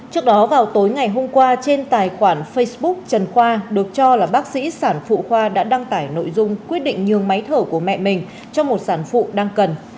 trước đó vào tối ngày hôm qua trên tài khoản facebook trần khoa được cho là bác sĩ sản phụ khoa đã đăng tải nội dung quyết định nhường máy thở của mẹ mình cho một sản phụ đang cần